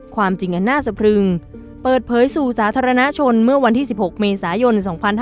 ความจริงอันน่าสะพรึงเปิดเผยสู่สาธารณชนเมื่อวันที่๑๖เมษายน๒๕๕๙